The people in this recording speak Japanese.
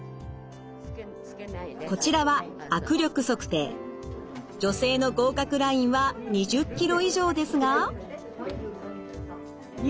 こちらは女性の合格ラインは２０キロ以上ですが。